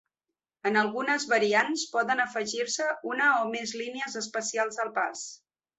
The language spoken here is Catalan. En algunes variants poden afegir-se una o més línies especials al pas.